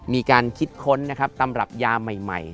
มีการคิดค้นนะครับตำรับยาใหม่